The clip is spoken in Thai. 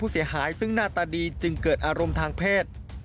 จึงเกิดอารมณ์ทางเพศ